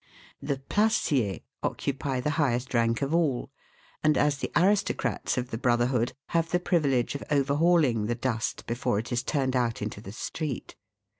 The placiers occupy the highest rank of all, and, as the aristocrats of the brotherhood, have the privilege of overhauling the "dust" before it is turned out into the street.